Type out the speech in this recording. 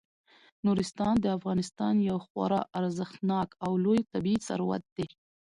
نورستان د افغانستان یو خورا ارزښتناک او لوی طبعي ثروت دی.